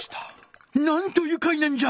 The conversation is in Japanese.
なんとゆかいなんじゃ！